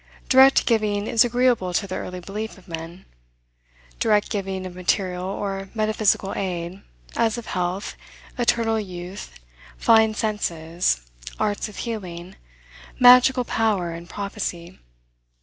Direct giving is agreeable to the early belief of men; direct giving of material or metaphysical aid, as of health, eternal youth, fine senses, arts of healing, magical power, and prophecy.